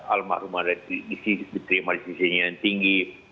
almarhum ada diisi diterima di sisi yang tinggi